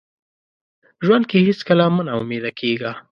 ژوند کې هیڅکله مه ناامیده کیږه.